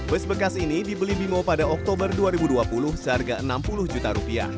bus bekas ini dibeli bimo pada oktober dua ribu dua puluh seharga rp enam puluh juta